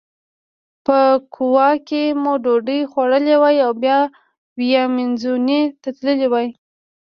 په کووا کې مو ډوډۍ خوړلې وای او بیا ویامنزوني ته تللي وای.